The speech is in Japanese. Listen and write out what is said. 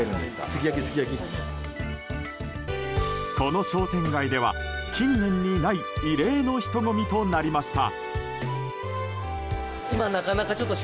この商店街では近年にない異例の人混みとなりました。